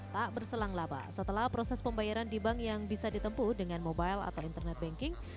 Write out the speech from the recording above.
tak berselang laba setelah proses pembayaran di bank yang bisa ditempuh dengan mobile atau internet banking